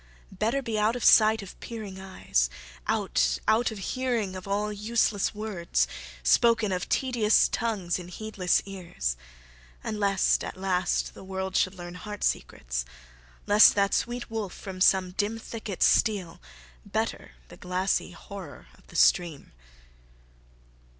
Better be out of sight of peering eyes; Out out of hearing of all useless words, Spoken of tedious tongues in heedless ears. And lest, at last, the world should learn heart secrets; Lest that sweet wolf from some dim thicket steal; Better the glassy horror of the stream.